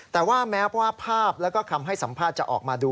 แต่ว่าแม้ว่าภาพแล้วก็คำให้สัมภาษณ์จะออกมาดู